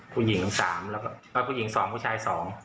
ผู้หญิงน้องสามแล้วก็ผู้หญิงสองผู้ชายสอง